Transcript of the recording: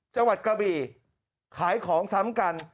จังหวัดกะบี่ขายของซ้ำกัน